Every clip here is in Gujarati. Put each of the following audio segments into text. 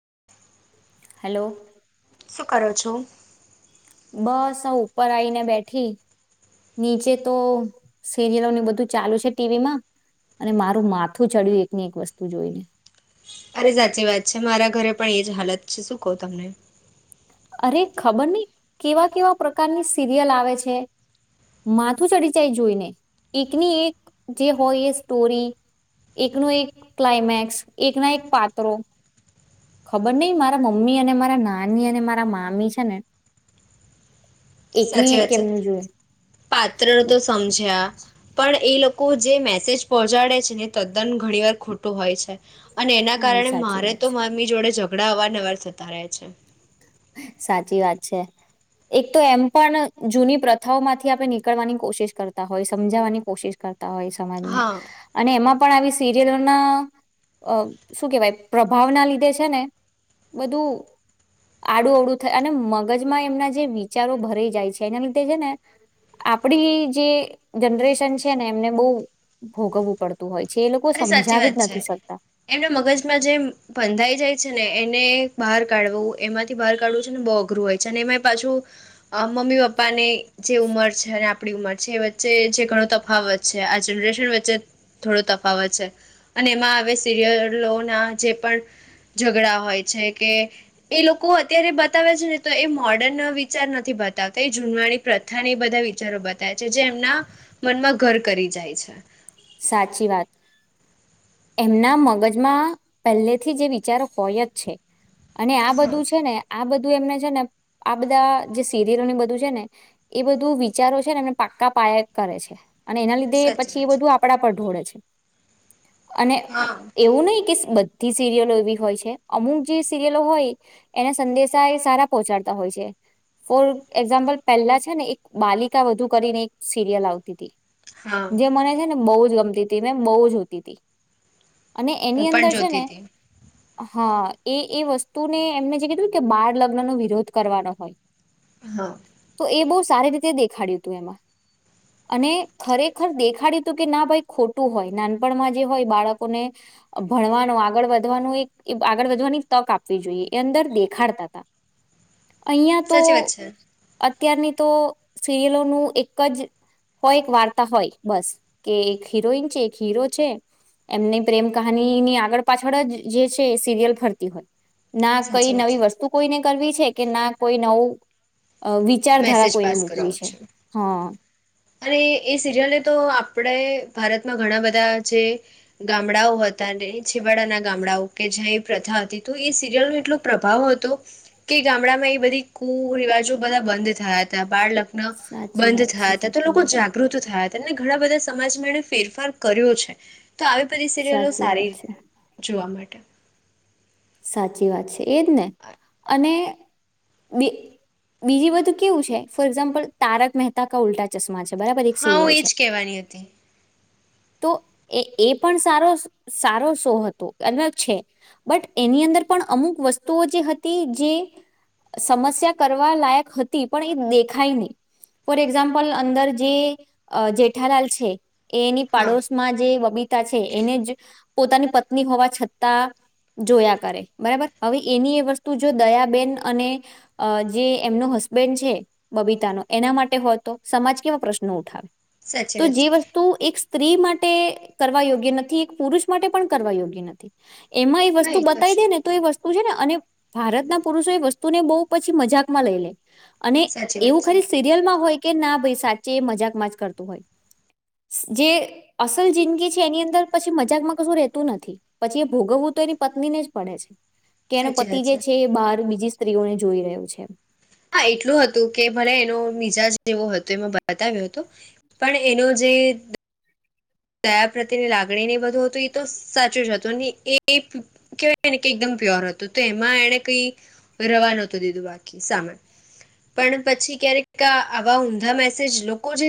[inaudible] હલો શું કરો છો બસ હ ઉપર આવીઈને બેઠી નીચે તો સિરિયલોની બધું ચાલુ છે ટીવી માં અને મારું માથું ચડ્યું એક ની એક વસ્તુ જોઈને અરે સાચી વાત છે મારા ઘરે પણ એ હાલત છે શું કહો તમને અરે ખબર નહી કેવા કેવા પ્રકારની સિરિયલ આવે છે માથું ચડી જાય જોઈને એકની એક જે હોય એ સ્ટોરી એકનો એક ક્લાયમેક્સ એકના એક પાત્રો ખબર નહિ મારા મમ્મી અને મારા નાની અને મારા મામી છે ને એકની સાચી એક વાત છે કેમનું જોય પાત્ર તો સમજ્યા પણ એ લોકો જે મેસેજ પહોંચાડે છે ને તદ્દન ઘણી વાર ખોટું હોય છે અને એના હા એ કારણે સાચી મારે વાત તો છે મ્મી જોડે જ ઘણા અવારનવાર થતા રહે છે સાચી વાત છે એક તો એમ પણ જૂની પ્રથાઓ માંથી આપડણે નીકળવાની કોશિશ કરતા હોય સમજાવાની કોશિશ કરતા હોય સમાજને હા અને એમાં પણ આવી સિરિયલોના શું કેહેવાય પ્રભાવના લીધે છે ને બધું આડું અડું થાય અને મગજમાં એમના જે વિચારો ભરાઈ જાય છે એના લીધે છે ને આપડી જે જનરેશન છે ને એમને બહુ ભોગવવું પડતું હોય છે એ લોકો અરે સાચી સમજાવી વાત જ છે નથી શકતા. એમના મગજમાં જે પંધાઈ જાય છે ને એને બહાર કાઢવું એમાંથી બહાર કાઢવું છે ને બહુ અઘરું હોય છે અને એમાં પાછું અ મમ્મી પપ્પાની જે ઉંમર છે ને આ આપણી ઉંમર છે એ વચ્ચે જે ઘણો તફાવત છે આ જનરેશન વચ્ચે થોડો તફ ફાવત છે અને એમાં હવે સિરિયલોના જે પણ ઝઘડા હોય છે કે એ લોકો અત્યારે બતાવે છે ને તો એ મોર્ડર્ન વિચાર નથી બતાવતા એ જૂનવાણી પ્રથા બધા વિચારો બતાવે. જે એમના મનમાં ઘર કરી જાય છે. સાચી વાત એમના મગજમાં પહેલેથી જ એ વિચારો હોય જ છે. અને આ બધું છે ને આ બ ધું અમને છે ને આ બધા જે સિરીયલો ને બધું છે ને એ બધું વિચારો છે ને એમને પાક્કા પાયા કરે છે. અને એના લીધે સાચી પછી એ વાત છે બધું પર ઢોળે છે. અને હા એવું નહી કે બધી સિરિયલો એવી હોય છે. અમુક જે સિરિયલો હોય એના સંદેશા એ સારા પહોંચાડતા હોય છે. ફોર એક્ઝામ્પલ પહેલા છે ને એક બાલિકા વધુ કરીને એક સિરિયલ આવતી તી. હા જે મને છેને બહુ જ ગમતી તી ને બહુ જ જોતી તી. અને એની હું પણ અંદર છે જોતી ને. હતી. હ એ એ વસ્તુને એમને જે કીધું કે બાળ લગ્ન નો વિરોધ કરવાનો હોય. હા. તો એ બઉ સારી રીતે દેખાડ્યું તું એમાં અને ખરેખર દેખાડ્યું તો કે ના ભાઈ ખોટું હોય નાનપણમાં જે હોય બાળકોને ભણવાનું આગળ વધવાનું એક આગળ વધવાની તક આપવી જોઈએ એ અંદર દેખાડતા હતા. અહિયાં તો સાચી વાત છે. અત્યારની તો સિરિયલોનું એક જ હોય એક વાર્તા હોય બસ કે એક હિરોઈન છે એક હીરો છે એમને પ્રેમ કહાની ની આગળ પાછળ જ જે છે સિરિયલ ફરતી હોય. ના કઈ સાચી વાત નવી છે. વસ્તુ કોઈને કરવી છે કે ના કોઈ નવું. અ વિચારધારા મેસેજ કોઈને પાસ મૂકવી કરાવું છે હા. અને એ સિરિયલને તો આપણે ભારતમાં ઘણા બધા જે ગામડાઓ હતા ને છેવાડાના ગામડાઓ કે જ્યાં એ પ્રથા હતી તો એ સિરિયલ ન એટલો પ્રભાવ હતો કે ગામડામાં એ બધી કુરિવાજો બધા બંધ થયા હતા બાળ લગ ન સાચી બંધ વાત છે થાત સાચી લોકો વાત છે જાગૃત થયા તે ન ઘણા બધા સમાજમાં એને ફેરફાર કર્યો છે. તો આવી બધી સિરિયલો સાચી સારી વાત છે જોવા માટ. [inaudible] સાચી વાત છે. એજ ને અને બી બીજી બધું કેવું છે ફોર એક્ઝામ્પલ તારક મહેતા કા ઉલ્ટા ચશ્મા છે. બરાબર એક હા હું સિરિયલ છે એજ કહેવાની હતી. તો એ એ પણ સારો સારો શો હતો અલગ છે બટ એની અંદર પણ અમુક વસ્તુઓ જે હતી જે સમસ્યા કરવા લાયક હતી પણ એ દેખાય નહી ફોર એક્ઝામ્પલ અંદર જે જેઠાલાલ છે એ હા. પાડોશમાં જે બબીતા છે એને જ પોતાની પત્ની હોવા છતાં જોયા કરે બરાબર હવે એની એ વસ્તુ જો દયાબેન અને જે એમનો હસબેન્ડ છે બબીતાનો એના માટે હોય તો સમાજ કેવા પ્રશ્નો ઉઠાવે સાચી તો વાત જે છે વસ્તુ એક સ્ત્રી માટે કરવા યોગ્ય નથી એક પુરુષ માટે પણ કરવા યોગ્ય નથી એમાં એ હા વસ્તુ તો બતાવી છે દે ને તો એ વસ્તુ વતુ છે ને અને ભારત ના પુરુષો એ વસ્તુનેહુ પછી મજાકમાં લઈ લે અને સાચી એવું વાત છે ખાલી સિરિયલમાં હોય કે ના ભાઈ સાચે એ મજાકમાં જ કરતું હોય જે અસલ જિંદગી છે એની અંદર પછી મજાકમાં કશું રહેતું નથી પછી એ ભોગવવું તો એની પત્નીને જ પડે છે કેને સાચી પતિ વાત જે છે એ બહાર બીજી સ્ત્રીઓને જોઈ રહ્યું છે હા એટલું તો એમાં બતાવ્યો હતો પણ એનો જે દયા પ્રત્યેની લાગણી ને બધું હતું એ તો સાચું જ હતું અને એ કહેવાયને કે એકદમ પ્યોર હતું તો એમાં એને કઈ રવા નહોતું દીધું બાકી સામે પણ પછી ક્યારેક આવા ઊંધા મેસેજ લોકો જે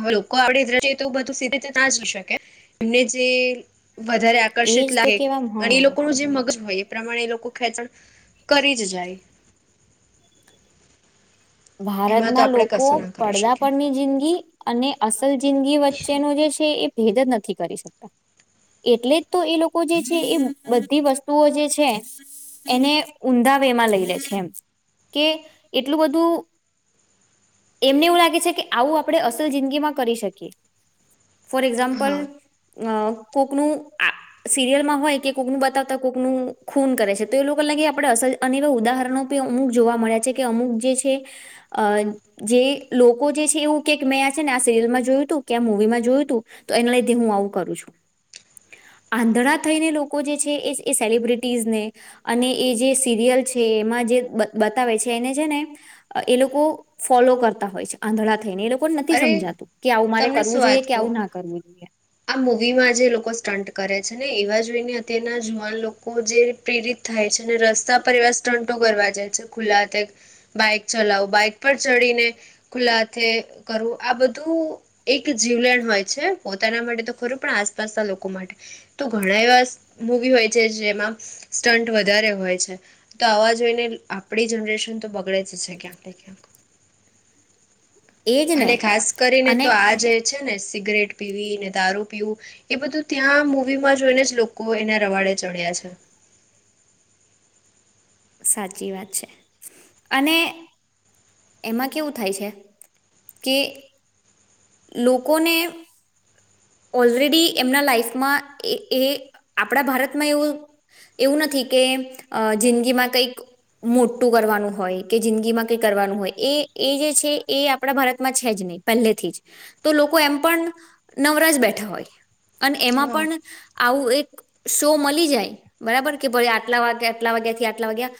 હવે લોકો આપડેએ તો બધું સીધી એમને જે વધારે આકર્ષિત એજ તો લાગે કેવા અને એ હા લોકો ન જે મગજ હોય એ પ્રમાણે લોકો ખેંચણ કરી જ જાય એમાં તો ભારતના આપણે લોકો કશું ના કરી પડદા શકીએ પરની જિંદગી અને અસલ જિંદગી વચ્ચેનું જે છે એ ભેદ જ નથી કરી શકતા એટલે જ તો એ લોકો જે છે એ બધી વસ્તુઓ જે છે એને ઊંધા વેમાં લઈ લે છે એમ કે એટલું બધું એમને એવું લાગે છે કે આવું આપડણે અસલ જિંદગીમાં કરી શકીએ ફોર એક્ઝામ્પલ હા અ કોકનું આ સિરિયલમાં હોય કે કોકનું બતાવતા કોકનું ખૂન કરે છે તો એ લોકો લાગે આપડણે અવા ઉદાહરણો પણી અમુક જોવા મળ્યા છે કે અમુક જે છે અ જે લોકો જે છે એવું કે મેં આ છે ને આ સિરિયલમાં જોયું હતું કે આ મુવીમાં જોયું હતું તો એના લીધે હું આવું કરું છું આંધળ થઈને લોકો જે છે એ સેલિબ્રિટીઝને અને એ જે સિરિયલ છે એમાં જે બતાવે છે એને છે ને એ લોકો ફોલો કરતા હોય છે આંધળા થઈને એ લોકો અરે તમને શું વાત કે કહું આવું ના કરવું જોઈએ આ મુૂવીમાં જે લોકો સ્ટન્ટ કરે છે છે ને એવા જોઈને અત્યારના જુવાન લોકો જે પ્રેરિત થાય છે ને રસ્તા પર એવા સ્ટંટો કરવા જાય છે ખુલ્લા હાથે બાઈક ચલાવો બાઈક પર ચડીને ખુલ્લા હાથે કરું આ બધું એક જીવલેણ હોય છે પોતાના માટે તો ખરું પણ આસપાસના લોકો માટે તો ઘણા એવા મૂવી હોય છે જેમાં સ્ટન્ટ વધારે હોય છે તો આવા જોઈને આપણી જનરેશન તો બગડે જ છે ક્યાંક ને ક્યાંક એજ અને ને ખાસ કરીને તો અને આ જે છે ને સિગરેટ પીવી ને દારૂ પીવું એ બધું ત્યાં મૂવીમાં જોઈને જ લોકો એના રવાડે ચડ્યા છે સાચી વાત છે અને એમાં કેવું થાય છે કે લોકોને ઓલરેડી એમના લાાઈફમાં એ આપણા ભારતમાં એવું એવું નથી કે જિંદગીમાં કંઈક મોટું કરવાનું હોય કે જિંદગીમાં કંઈક કરવાનું હોય એ એ જે છે એ આપણા ભારતમાં છે જ નહીં પહેલેથી જ તો લોકો એમ પણ નવરાજ બેઠા હોય અને એમાં હા પણ આવું એક શો મળી જાય બરાબર કે ભ આટલા વાગ્યા આટલા વાગ્યા થી આટલા વાગ્યા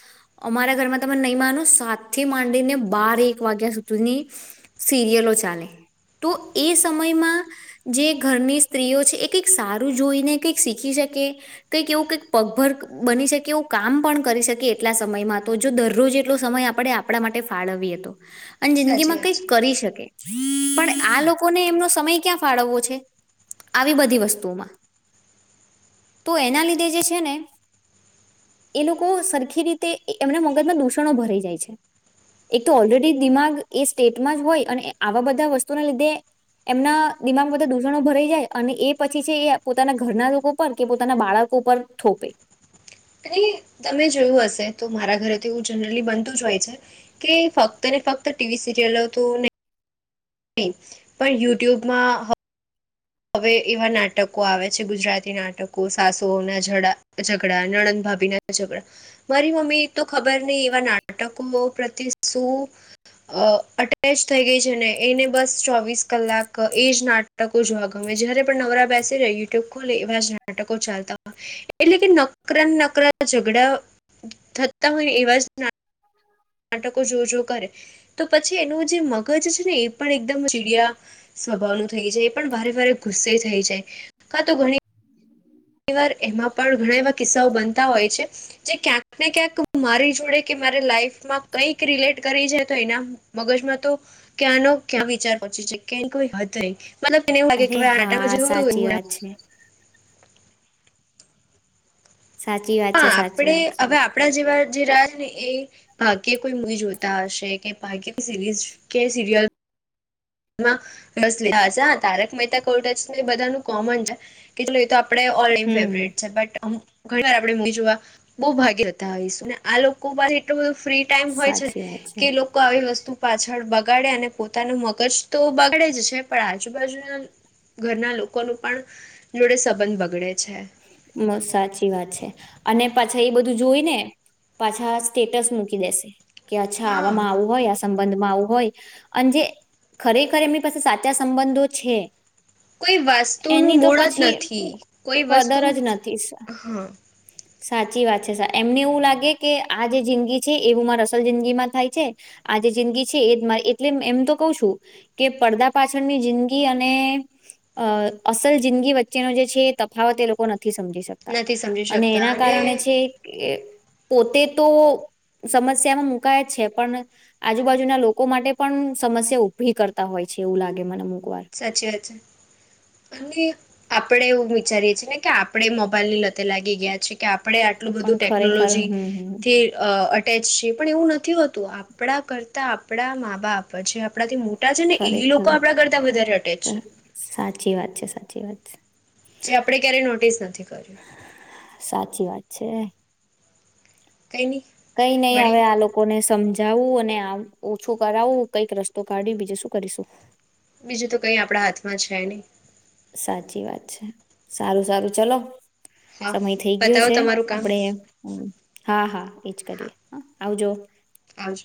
અમારા ઘરમાં તમે નહીં માનો સાથે માંડીને બાર એક વાગ્યા સુધીની સિરિયલો ચાલે તો એ સમયમાં જે ઘરની સ્ત્રીઓ છે એ કંઈક સારું જોઈને કઈક શીખી શકે કંઈક એવું કઈક પગભર બની શકે એવું કામ પણ કરી શકે એટલા સમયમાં તો જો દરરોજ એટલો સમય આપણે આપણા માટે ફાળવીએ તો અને જિંદગી સાચી માં વાત કંઈક છે. કરી શકે પણ આ લોકો ને એમનો સમય ક્યાં ફળો આવી બધી વસ્તુમાં. તો એના લીધે જે છે ને એ લોકો સરખી રીતે એમના મગજમાં દૂષણો ભરાઈ જાય છે. એક તો ઓલરેડી દિમાગ એ સ્ટેટમાં જ હોય. અને આવા બધા વસ્તુના લીધે એમના. દિમાગ બધા દૂષણો ભરાઈ જાય. અને એ પછી છે. એ પોતાના ઘરના લોકો પર કે પોતાના બાળકો પર થોપે. અને તમે જોયું હશે તો મારા ઘરે તો એવું જનરલી બનતું જ હોય છે. કે ફક્ત ને ફક્ત ટીવી સિરિયલો તો નહી. નહી પણ યુટ્યુબમાં. હવે એવા નાટકો આવે છે. ગુજરાતી નાટકો સાસુઓના ઝઘડા, નણંદ ભાભી ના ઝઘડા. મારી મમ્મી તો ખબર નહી એવા નાટકો પ્રત્યે શું અટેચ થઈ ગઈ છે ને એને બસ ચોવીસ કલાક એજ નાટકો જોવા. ગમે જયારે પણ નવરા બેસે જ યુટ્યુબ ખોલે એવા જ નાટકો ચાલતા હોય એટલે કે નકરા નકરા ઝઘડા થતા હોય ને એવા જ. નાટકો જો જો કરે તો પછી એનું જે મગજ છે ને એ. પણ એકદમ ચીડિયા સ્વભાવનું. થઈ જાય પણ વારે વારે ગુસ્સે થઈ જાય. કા તો ઘણી ઘણી વાર એમાં પણ ઘણા એવા કિસ્સાઓ બનતા હોય છે. જે ક્યાંકને ક્યાંક મારી જોડે કે મારે લાઈફમાં કંઈક રિલેટ કરી છે તો એના મગજમાં તો ક્યાંનો ક્યાં વિચાર પહોચી શકે. અરે હા સાચી વાત છે [inaudible] સાચી વાત હા છે સાચી આપણેે વાત છે હવે આપણા જેવા જે રાજ. એ ભાગ્ય કોઈ મૂવી જોતા હશે કે ભાગ્ય સિરીઝ કે સિરિયલ. બ હ તારક મહેતા કોટ એ બધાનું કોમન છે. કેટ તો આપણે ઓલ ટમ હમ ફેવરેટ છે. બટ ઘણી વાર આપણેે મ જોવા બહુ ભાગ્યતા આવીશું ને આ લોકો પાસે એટલું બધું. ફ્રી ટાઈમ હોય છે ને સાચી વાત કે લોકો આવી વસ્તુ. પાછળ બગાડે અને પોતાનું મગજ. તો બગડે જ છે પણ આજુબાજુના ઘરના લોકો ન પણ જોડે સંબંધ બગડે છે. બ સાચી વાત છે. અને પાછા એ બધું જોઈ ને પાછા સ્ટેટસ મૂકી દેશે. કે અચ્છા હા આવામાં આવું હોય આ. સંબંધમાં આવું હોય અને જે ખરેખર એમની પાસે સાચા સંબંધો છે. કોઈ વાસ્તુ નું એની તો મૂળ જ પછી નથી. કોઈ વસ્તુ કદર જ નથી હા. સાચી વાત છે સા એમને એવું લાગે કે આ જે જિંદગી છે એવું મારે અસલ જિંદગી માં થાય છે આ જે જિંદગી છે. એ જ મારી એટલે એમ તો કહ છું કે પડદા પાછળની જિંદગી અને અ અસલ જિંદગી વચ્ચેનો જે છે. હાવા તે લોકો નથી. નથી સમજી શકતા. નથી સમજી અને શકતા એના કારણે છે. પોતે તો સમસ્યામાં મુકાય જ છે. પણ આજુબાજુના લોકો માટે પણ સમસ્યા ઉઊભી કરતા હોય છે. એવું લાગે મને વાર સાચી વાત અને. આપડે એવું વિચારીએ છીએ ને કે આપડે મોબાઈલ ની લતે લાગી ગયા છે કે. આપણે આટલું બધું પણ ખરેખર ટેકનોલોજી હમ હમ થી અ. અટે છે પણ એવું નથી હોતું આપણા કરતા આપણા મા બાપ. જે આપણાથી મોટ છે ને એ ખરેખર લોકો આપણા ઘર. સાચી વાત છે. સાચી વાત છે. જે આપણે ક્યારેય નોટિસ નથી કર્યું સાચી વાત છે કઈ નહી કઈ નઈ હવે મળીએ આ લોકોને સમજ જવું અને ઓછું કરાવું કંઈક રસ્તો કાઢી બીજે શું કરીશું. બીજું તો કઈ આપણા હાથમાં છે નહી. સાચી વાત છે સારું સારું ચલો હા સમય થઈ ગયો બતાવો છે તમારું કામ આપડે હા હા એજ કરીએ હ. આવ જો. હજ.